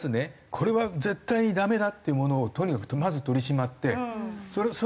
これは絶対にダメだっていうものをとにかくまず取り締まってそれによってみんなが。